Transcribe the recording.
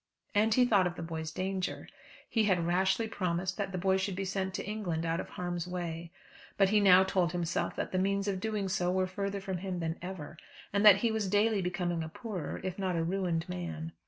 And he thought of the boy's danger. He had rashly promised that the boy should be sent to England out of harm's way; but he now told himself that the means of doing so were further from him than ever; and that he was daily becoming a poorer, if not a ruined man.